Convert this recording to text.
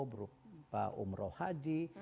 berupa umroh haji